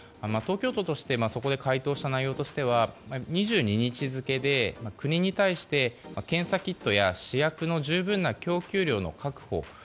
東京都としてそこに回答した内容は２２日付で国に対して検査キットや試薬の十分な供給量の確保。